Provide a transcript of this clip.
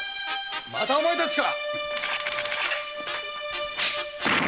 またお前たちか！